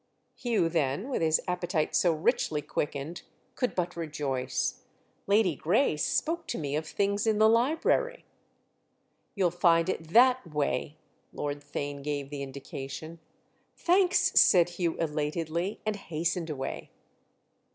Hugh then, with his appetite so richly quickened, could but rejoice. "Lady Grace spoke to me of things in the library." "You'll find it that way"—Lord Theign gave the indication. "Thanks," said Hugh elatedly, and hastened away.